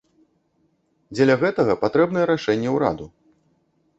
Дзеля гэтага патрэбнае рашэнне ўраду.